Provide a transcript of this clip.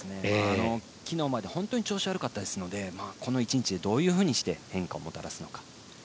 昨日まで本当に調子悪かったですのでこの１日でどういうふうにして変化を見せるのか。